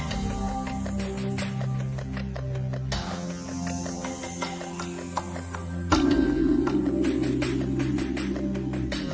สลบทั้งสองคนและหนึ่งสิบตัว